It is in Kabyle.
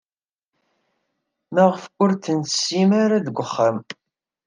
Maɣef ur tensim ara deg uxxam?